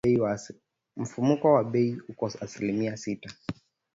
Mfumuko wa bei uko asilimia sita